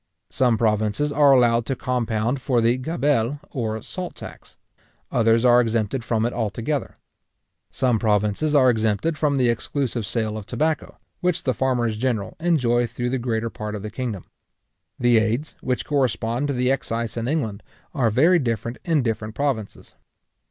Some provinces are allowed to compound for the gabelle, or salt tax; others are exempted from it altogether. Some provinces are exempted from the exclusive sale of tobacco, which the farmers general enjoy through the greater part of the kingdom. The aides, which correspond to the excise in England, are very different in different provinces.